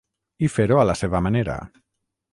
I fer-ho a la seva manera.